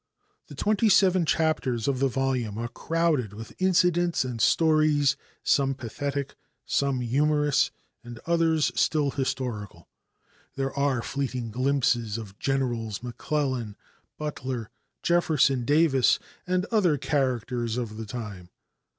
The twenty seven chapters of the volume are crowded with incidents and stories, some pathetic, some humorous, and others still historical. There are fleeting glimpses of Generals McClellan, Butler, Jefferson Davis and other characters of the time.